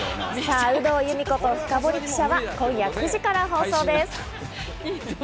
『有働由美子とフカボリ記者』は今夜９時から放送です。